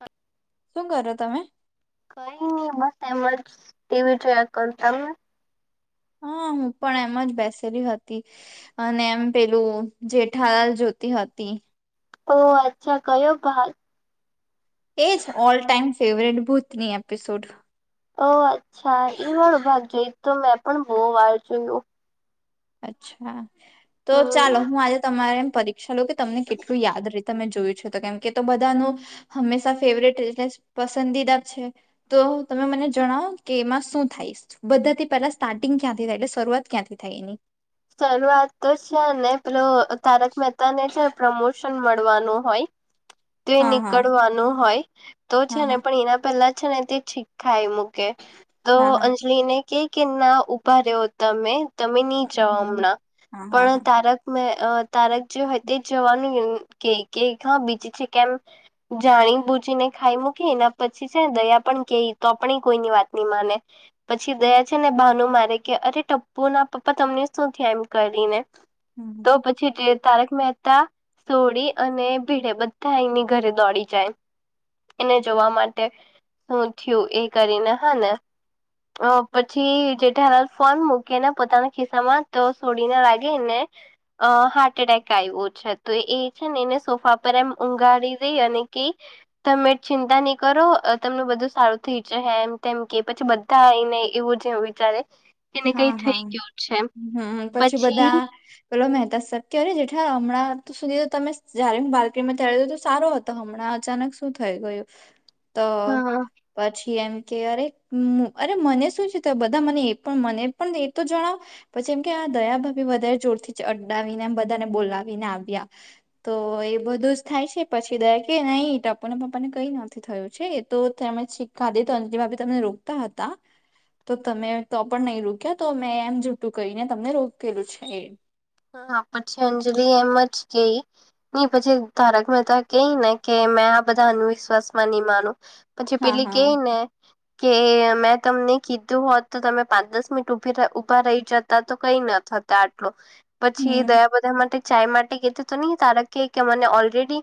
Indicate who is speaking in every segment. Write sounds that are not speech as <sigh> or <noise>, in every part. Speaker 1: હ <inaudible>
Speaker 2: શું કરો તમે
Speaker 1: કઈ નઈ બસ એમ જ ટીવી જોયા કરતા
Speaker 2: હા હું પણ એમાં જ બેસેલી હતી અને એમ પેલું જેઠાલાલ જોતી હતી
Speaker 1: ઓહ અચ્છા કર ભાલ
Speaker 2: એજ ઓલ ટાઈમ ફેવરેટ ભૂતની એપિસોડ
Speaker 1: ઓ વાળો ભાગ જોઈ તો મેં પણ બહુ વાર જોયું
Speaker 2: અચ્છા ચાલો
Speaker 1: હમ્મ.
Speaker 2: હું આજે એમ પરી કે તમને કેટલું યાદ રીતે મેં જોયું છેું તો કેમ કે તો બધાનું હંમેશા ફેવરેટ એટલે પસંદીદા છે તો તમે મને જણાવ કે એમાં શું થઈશ બધાથી પેલા સ્ટાર્ટિંગ ક્યાંથી થાય એટલે શરૂઆત ક્યાંથી થાય એની
Speaker 1: શરૂઆત તો છે ને પેલો તારક મહેતા ને છે પ્રમોશન મળવાનું હોય તો એ
Speaker 2: હા હા
Speaker 1: નીકળવાનું હોય તો છે
Speaker 2: હા
Speaker 1: ને
Speaker 2: હા
Speaker 1: પણ એના પહેલા છે ને તે છી ખાઈ મૂકે તો
Speaker 2: હા હા
Speaker 1: અંજલિ ને કે કે ના ઉભા રહ્યો તમે તમે નહી જવા
Speaker 2: હમ
Speaker 1: હમણાં
Speaker 2: હા હા
Speaker 1: પણ
Speaker 2: હા.
Speaker 1: તારક મે તારક જે હોય તે જવાનું કે કે હા બીજીું છે કેમ જાણી બૂજીી ને ખાઈ મૂકી એના પછી છેને દયા પણ કે તો પણ કોઈની વાત નહી માને પછી દયા છે ને બાનુ મારે કે અરે ટપ્પુ ના પપ્પા તમને શું થયા એમ કરીને
Speaker 2: હમ.
Speaker 1: તો તારક મહેતા સોળી અને ભીડે ની ઘરે દોડી જાય એને જોવા માટે શું થયું એ કરીને હા ને ઓ પછી જેઠા લાલ હ ફોન મૂકી ને પોતાના ખિસ્સા માં તો સોડીને લાગે ને અ હાર્ટ એટેક આવ્યો છે તો એ છે ને એને સોફા પર એમ ઉંગાડીથી એકી તમે ચિંતા નહી કરો તમને બધું સારું થઇ જશે એમ કેમ કે પછી કાય નહી એવું છે વિચારે એને કઈ
Speaker 2: હા
Speaker 1: થઈ
Speaker 2: હા
Speaker 1: ગયું છે
Speaker 2: હમ પછી બધા પેલો મહેતા સત્યય જેઠા હમણાં તો સુધી તમે જારે બાલકીનીમાં તળ દો તો સારો હતો તો હમણાં અચાનક શું થઈ ગયું તો
Speaker 1: હા
Speaker 2: પછી એમ કે અરે અરે મને શું છે તો બધા મને પણ મને પણ એ તો જણાવો પછી એમ કે આ દયા ભાભી વધારે જોરથી અડડાવીનેમ બધાને બોલાવીને આવ્યા તો એ બધું જ થાય છે પછી દાય કે નહી ટપુ ના પપ્પાને કઈ નથી થયું છે તો તમે છી ખાદી તો અજંલી ભાભી તમને રોકતા હતા તો તમે તો પણ નહીં રોક્યા તો મેં એમ જૂઠું કહીને તમને રોકેલું છે એ
Speaker 1: હા પછી અંજલિ એમ જ ગઈ પછી તા રક કે ને કે મેં આ બધા અંધવિશ્વાસમાં નહી પછી
Speaker 2: હા
Speaker 1: પેલી
Speaker 2: હા
Speaker 1: કેઈ ને કે મેં તમને કીધું હોત તો તમે પાંચ દસ મિનિટભી ઉભા રહી જત તો કઈ ન થતા આટલું પછી
Speaker 2: હમ
Speaker 1: દયા બધા માટે ચાય માટે કેતી તો નહીં તારક કે કે મને ઓલરેડી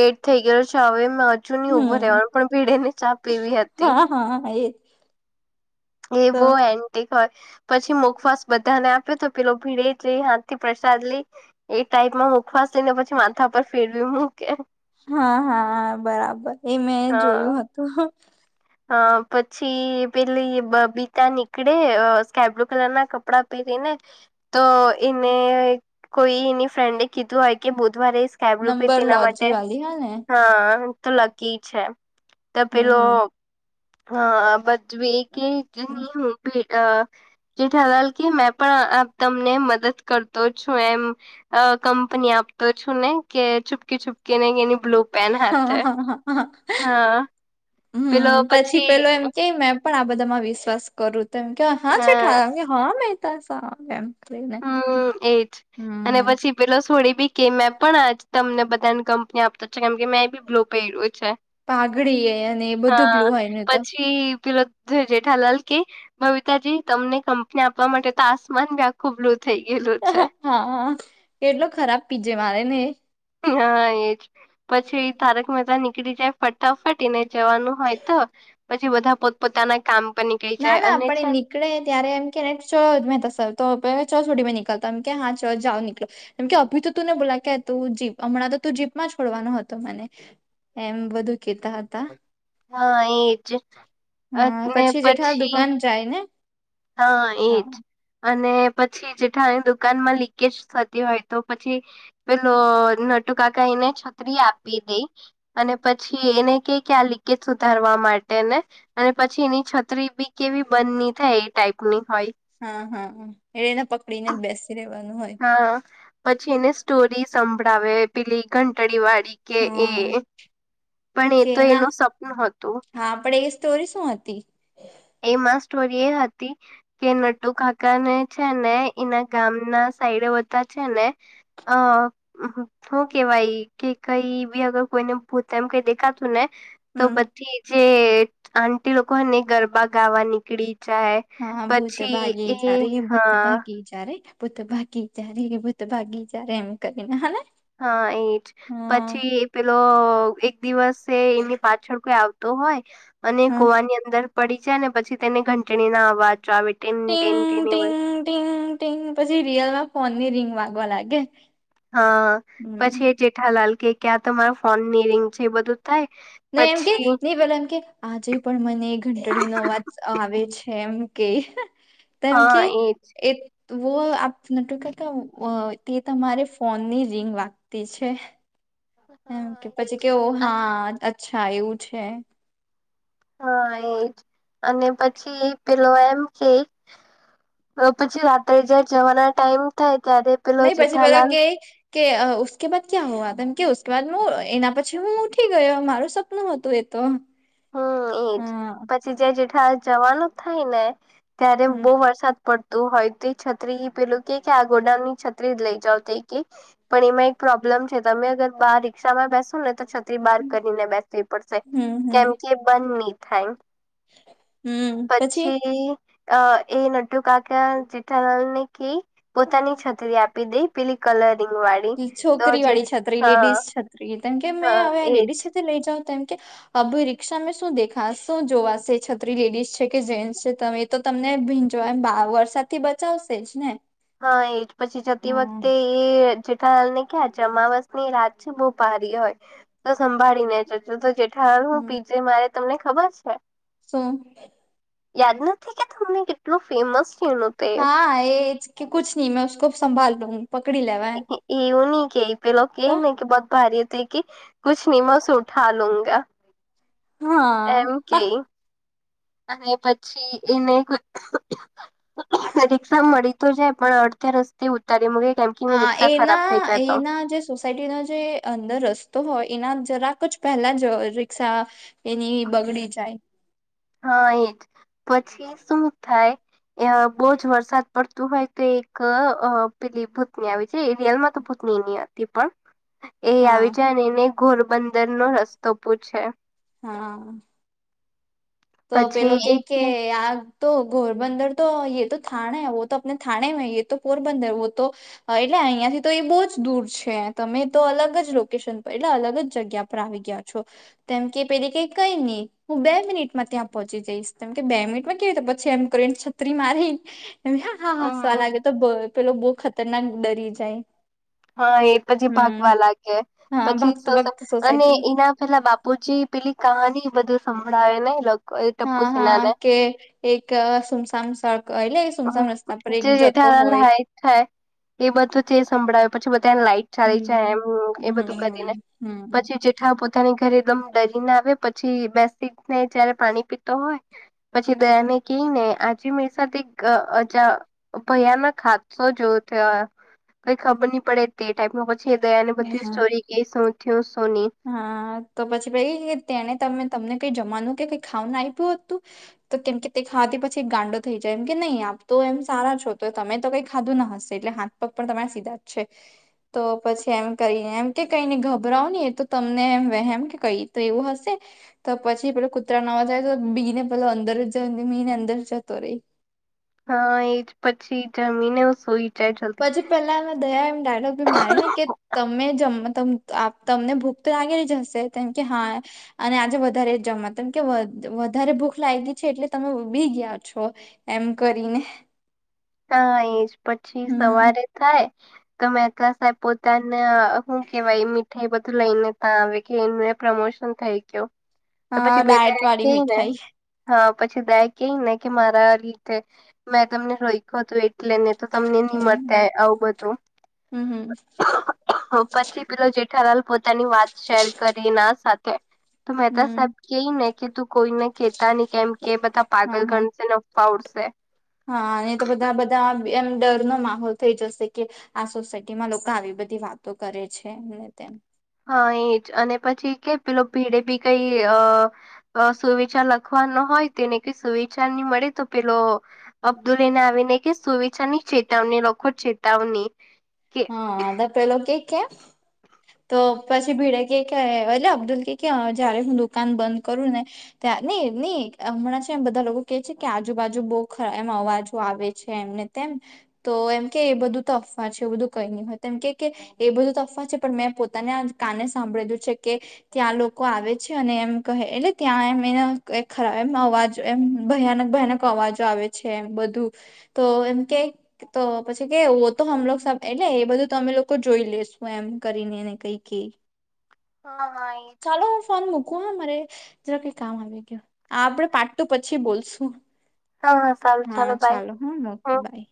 Speaker 1: લેટ થઈ ગયો છે હવે મેં હજુ નહી ઉઊભો
Speaker 2: હમ
Speaker 1: રહેવાનું પણ ભીડે ને ચા પીવી હતી
Speaker 2: હા હા એ <inaudible>
Speaker 1: એ બહ
Speaker 2: તો
Speaker 1: એ <inaudible> હોય પછી મુખવાસ બધાને આપ્યો તો પેલો ભીડે જ લઈ હાથ થી પ્રસાદ લઈ એ ટાઈપ માં મુખવાસીઈ ને પછી માથા પર ફેરવી મૂકે
Speaker 2: હા હા બરાબર એ મેં જોયું હતું
Speaker 1: અ પછી પેલી બબીતા નીકળે સ્કબ્લુ કલર ના કપડા ને તો એને કોઈ એની ફ્રેન્ડ કીધું હોય કે બુધવારે કેબલુ
Speaker 2: નંબર
Speaker 1: પીતી એના માટે
Speaker 2: લોજી વાલી હા ને
Speaker 1: હા તો લગ ક તો <inaudible>
Speaker 2: હમ હમ
Speaker 1: હા બજવે કે જની હ ભ <inaudible> જેઠલાલ ક મેં પણ તમને મદદ કર છ એમ કંપની આપતો છું ને કે ચૂપકીપ કેને કેની બ્લલો પેન હાથ
Speaker 2: હ હા <inaudible>
Speaker 1: હા
Speaker 2: હમ પછી પેલો એમ કે મે પણ આ બધામાં વિશ્વાસ કરું તેમ કે હા છે હા મહેતા સાબ એમ
Speaker 1: હમ એજ અને
Speaker 2: હમ
Speaker 1: પછી પેલો છોડી ભી કે મેં પણ આજ તમને બધા ની કંપની આપતા કેમ કે મે પું છે
Speaker 2: પાઘડી એ અને એ બધું
Speaker 1: હા
Speaker 2: બ્લુ હોય ને તો
Speaker 1: પછી પે જેઠાલાલ કે બબીતાજી તમને આપવા માટે તો બ ખૂબ લો છે
Speaker 2: હા કેટલો ખરાબ પીજે મારે ને
Speaker 1: હા એજ પછી તારક મહેતા નીકળી જાય ફટાફટ ને જવાનું હોય તો પછી બધા પોતપોતાના કામ પર નીકળી
Speaker 2: ના
Speaker 1: જાય
Speaker 2: ના
Speaker 1: અને
Speaker 2: આપણે
Speaker 1: છે
Speaker 2: ની કળે ત્યારે એમ કેને ચલ મેં તો નીકળતા <unintelligible> એમ કે હા ચલ જાઓ નીકલો એમ કે અભી તો તું ને બોલા કે તું જીપ હમણાં તો તું જીપમાં છોડવાનો હતો મને એમ બધું કેતા હતા
Speaker 1: હા એજ
Speaker 2: હ પછી જેઠાલ દુકાન જાય ને
Speaker 1: હા ઈ જ <inaudible> અને પછી જેઠાની દુકાનમાં લીકેજ થતી હોય તો પછી પેલો નટુકાકા ઈને છત્રી આપી દે અને પછી એને કે કે આ લીકેજ સુધારવા માટે ને અને પછી એની છત્રી બી કેવી બંધ ની થાય એ ટાઈપની હોય
Speaker 2: હા હા એ એને પકડી ને જ બેસી રેવાનું હોય
Speaker 1: હા પછી એને સ્ટોરી સંભળાવે પેલી ઘંટડી વાળી કે એ
Speaker 2: હા
Speaker 1: પણ એ
Speaker 2: કે
Speaker 1: તો
Speaker 2: ના
Speaker 1: એનું સપનું હતું
Speaker 2: હા પણ એ સ્ટોરી શું હતી
Speaker 1: એમાં સ્ટોરી એ હતી કે નટુકા કા ને છે ને ઈના ગામ ના સાઈડે બધા છે ને અ શું કેવાય કે કઈ બી અગર કોઈને ભૂત એમ કઈ દેખાતું ને તો બધી જે આંટી લોકો હોય ને એ ગરબા ગાવા નીકળી જાય
Speaker 2: હા ભૂત
Speaker 1: પછી
Speaker 2: ભાગી
Speaker 1: એ
Speaker 2: જા રે ભૂત
Speaker 1: હા
Speaker 2: ભાગી જ રે ભૂત ભાગી જા રે ભૂત ભાગી જારે એમ કરી ને હ ને
Speaker 1: હા ઈ જ પછી એ પેલો એક દિવસે ઈ ની પાછળ કોઈ આવ તો હોય અને
Speaker 2: હમ
Speaker 1: કુવાની અંદર પડી જાય અને પછી તેને ઘંટણી ના અવાજો આવે ટીન
Speaker 2: ટીંગ
Speaker 1: ટીન ટીન એવું
Speaker 2: ટીંગ ટીંગ ટીંગ પછી રિયલમાં ફોનની રીંગ વાગવા લાગે
Speaker 1: હા
Speaker 2: હમ
Speaker 1: પછી એ જેઠાલાલ કે કે આ તો મારાં ફોન ની રિંગ છે એ બધું થાય
Speaker 2: ને એમ કે
Speaker 1: પછી
Speaker 2: નહી પેલા એમ કે આજે પણ મને ઘંટડીનો
Speaker 1: હા
Speaker 2: અવાજ આવે છે એમ કે તો એમ કે
Speaker 1: એજ
Speaker 2: એ વો આપ નટુકાકા અઅઅ તે તમારે ફોનની રિંગ વાગતી છે ને એમ
Speaker 1: હા
Speaker 2: કે
Speaker 1: એ
Speaker 2: પછી કે ઓ હા અચ્છા એવું છે
Speaker 1: હા એ જ અને પછી પેલો એમ કે અને પછી રાત્રે જયારે જવાના ટાઈમ થાય ત્યારે પેલો
Speaker 2: નહી પછી પેલો
Speaker 1: જેઠાલાલ
Speaker 2: કે કે અઅ ઉસકે બાદ ક્યાં હુઆ તો એમકે ઉસકે બાદ મું એના પછી હું ઉઠી ગયો મારો સપ નું હતું એ તો
Speaker 1: હમ ઈ જ
Speaker 2: હા
Speaker 1: પછી જે જેઠાલાલ જવાનું થાય ને ત્યારે
Speaker 2: હમ
Speaker 1: બહુ વરસાદ પડ તો હોય તે છત્રી પેલું કે કે આ ગોડાઉનની છત્રી લઇ જાવ તો ઈ કે પણ એમાં પ્રોબ્લેમ છે તમે અગર બાર રિક્ષામાં બેસો ને તો છત્રી બાર કરીને બેસવી પડશે
Speaker 2: હમ
Speaker 1: કેમ
Speaker 2: હમ
Speaker 1: કે બંધ નહી થાય પછી અ એ નટુકાકા જેઠાલાલને કે પોતાની છત્રી આપી દે પેલી કલરિંગ વાળી
Speaker 2: ઈ
Speaker 1: તો જે
Speaker 2: છોકરીવાળી છત્રી
Speaker 1: હા
Speaker 2: લેડીસ છત્રી તો કેમ કે મેં
Speaker 1: હા
Speaker 2: હવે
Speaker 1: એજ
Speaker 2: લેડીસ છત્રી લઇ જવું તો એમકે અબ રિક્ષાં શું દેખા શું જોવાશે છત્રી લેડીસ છે કે જેન્ટસ છે તમે તો તમને ભીંજવા <unintelligible> વરસાદથી બચાવશે જ ને
Speaker 1: હા એજ પછી જતી
Speaker 2: હમ
Speaker 1: વખતે એ જેઠાલાલ ને કે આજે અમાવસ ની રાત છે બહુ ભારી હોય તો સંભાળીને જજો તો જેઠાલાલ હું
Speaker 2: હમ
Speaker 1: પીજે મારે તમને ખબર છે
Speaker 2: શુ
Speaker 1: યાદ નથી કે તમને કેટલું ફેમસ <unintelligible>
Speaker 2: હા એ જ કે કુછ ની મેં ઉસકો સંભાલું પકડી લેવા એમ
Speaker 1: એવું ની કેય પેલો કેયને કે બહત ભારી હતી કે કુછ નહિ મે ઉસે ઉઠા લુંંગા. એમ
Speaker 2: હા.
Speaker 1: કેય અને પછી એને રીક્ષા મળી તો જાય પણ અડધે રસ્તે ઉતારી મૂકે કેમ કે એની
Speaker 2: હા
Speaker 1: રિક્ષા ખરાબ
Speaker 2: એના
Speaker 1: થઈ જાય તો
Speaker 2: એના જે સોસાયટીનો જે અંદર રસ્તો હોય એના જરાક જ પહેલા જ રિક્ષા એની બગડી જાય.
Speaker 1: હા એ જ પછી શું થાય અ બહુ જ વરસાદ. પડતું હોય તો એક અ પેલી ભૂતની આવી જાય છ એ રિયલમાં તો ભૂતની નઈ આવતી પણ એ
Speaker 2: હા
Speaker 1: આવી જાય અને એને ઘોરબંદરનો રસ્તો પૂછે.
Speaker 2: હા તો
Speaker 1: પછી
Speaker 2: પેલો કેય કે
Speaker 1: એ
Speaker 2: આ તો ગોરબંદર તો યે તો થાણે હૈ વો તો અપને થાણે મે હૈ યે તો પોરબંદર વો તો એટલે અહિયાંથી તો એ બહુ જ દૂર છે તમે તો અલગ જ લોકેશન પર એટલે અલગ જ જગ્યા પર પર આવી ગયા છો તો એમ કે પેલી કેય કઈ નહી હું બે મિનિટ માં ત્યાં પહોંચી જઈશ તો એમ કે બે મિનિટમાં કેવી રીતે તો પછી એમ કરીને છત્રી મારી હા હા હસવા લાગે તો બો પેલો બો ખતરનાક ડરી જાય.
Speaker 1: હા એ પછી
Speaker 2: હમ
Speaker 1: ભાગવા લાગે
Speaker 2: હા
Speaker 1: પછી
Speaker 2: ભક્ત
Speaker 1: સસ
Speaker 2: ભક્ત
Speaker 1: અને
Speaker 2: સોસાયટી
Speaker 1: એના પેલા બાપુજી પેલી કહાની બધું સંભળાવે ને લ
Speaker 2: હા હા કે એક સુમસામ સડક એટલે સુમસામ રસ્તા પર એક
Speaker 1: જે
Speaker 2: જતો
Speaker 1: જેઠાલાલ
Speaker 2: હોય.
Speaker 1: હાઈટ થાય. એ બધું તે સંભળાવે પછી બધાન લાઈટ ચાલી જાય એમ
Speaker 2: હમ
Speaker 1: એ
Speaker 2: હમ
Speaker 1: બધું કરીને.
Speaker 2: હમ હમ
Speaker 1: પછી જે હાવ પોતાની ઘરે એકદમ ડરીને આવે પછી બેસીને જયારે પાણી પીતો હોય પછી દયાને કેયને આજે મેરી સાથ એક અજા ભયાનક હાદ શો જો થયો. કઈ ખબર ની પડે તે ટાઈપનું પછી દયાને તે બધી
Speaker 2: હા
Speaker 1: સ્ટોરી કે શું થ્યું શું ની.
Speaker 2: હા, તો પછી પેઈ તેણે તમે તમને કઈ જમવાનું કે કઈ ખાવાનું આયપું હતું? તો કેમ કે તે ખાવાથી પછી એ ગાંડો થઈ જાય એમ કે નહી આપ તો એમ સારા છો તો તમે તો કઈ ખાધું ના હશે એટલે હાથ પગ પણ તમારા સીધા જ છે. તો પછી એમ કરીને એમ કે કઈ ની ગભરાવ ની એ તો તમને એમ વહેમ કે કઈ તો એવું હશે. તો પછી પેલો કૂતરાનો અવાજ આવે તો બી ને પેલો અંદર જ મી ને અંદર જતો રેય
Speaker 1: હા એ જ પછી જમીને હું સુઈ જાય જલ્દી
Speaker 2: પછી પેલાને દયા એમ ડાયલોગ બી મારે ને કે તમને જમ તમને આપ તમને ભૂખ તો લાગેલી જ હશે. તો એમ કે હા અને આજે વધારે જમા તો એમ કે વ-વધારે ભૂખ લાગી છે એટલે તમે બી ગ્યા છો. એમ કરીને.
Speaker 1: હા એજ પછી
Speaker 2: હમ
Speaker 1: સવારે ખાય ત મહેતા સાહેબ પોતાન હું કેવાય મીઠાઈ બધું લઈ ને ત આવે કે એનું એમ પ્રમોશન થઈ ગ્યો. તો
Speaker 2: હા
Speaker 1: પછી પેલા
Speaker 2: ડાયટ
Speaker 1: એમ
Speaker 2: વાળી
Speaker 1: કેયને
Speaker 2: મીઠાઈ
Speaker 1: હા, પછી દયા કેયને કે મારા લીધે મે તમને રોયકો તો એટ એટલે ને તો તમને ની મળતે
Speaker 2: હમ
Speaker 1: આવું બધું.
Speaker 2: હમ હમ
Speaker 1: ઉપરથી પેલો જેઠાલાલ પોતાની વાત શેર કરે ના સાથે. તો મહેતા સાહેબ
Speaker 2: હમ
Speaker 1: કેય ને કે તું કોઈને કેતા ની કેમ કે એ બધા
Speaker 2: હા
Speaker 1: પાગલ
Speaker 2: હા
Speaker 1: ગણશે ન અફવા ઉડશે.
Speaker 2: હા એ તો બધા બધા એમ ડરનો માહોલ થઈ જશે કે આ સોસાયટીમાં લોકો આવી બધી વાતો કરે છે ને તેમ
Speaker 1: હા એ જ અને પછી કે પેલો ભીડે ભી કઈ અ <unintelligible> સુવિચાર લખવાનો હોય તેને કે સુવિચાર ની મળે તો પેલો અબ્દુલને આવીને કે સુવિચારની ચેતવણી લખો ચેતાવણી
Speaker 2: હા ને પેલો કે કે તો પછી ભીડા કે કે એ અબ્દુલ કે જયારે હું દુકાન બંધ કરું ને ની ની હમણાં છે એમ બધા લોકો કે છે કે આજુબાજુ બહુરા એમ અવાજો આવે છે એમને તેમ તો એમ કે એ બધું તો અફવા છે બધું કઈ નહી હોય તેમ કે કે એ બધું તફવાત છે પણ મેં પોતાને આ કાને સાંભળીધું છે કે ત્યાં લોકો આવે છે અને એમ કહે એટલે ત્યાં એમ એના ખરાબ એમ અવાજ એમ ભયાનક ભયાનક અવાજો આવે છે, એ બધું તો એમ કે તો પછી કે વો તો હમલોગ એટલે એ બધું તમે લોકો જોઈ લેશુ એમ કરીને એને કઈ કે
Speaker 1: હા હા એ
Speaker 2: ચાલો હું ફોન મૂકું મારે જરા કઈ કામ આવી ગય આપડે પાકુ પછી બોલશું
Speaker 1: હા હા સારું
Speaker 2: હા
Speaker 1: બાય
Speaker 2: ચાલો હું
Speaker 1: હા
Speaker 2: મુકું બાય.